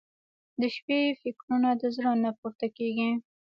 • د شپې فکرونه د زړه نه پورته کېږي.